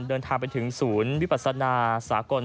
เดินทางไปถึงศูนย์วิปัสนาสากล